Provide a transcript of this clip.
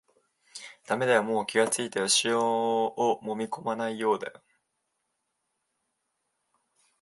だめだよ、もう気がついたよ、塩をもみこまないようだよ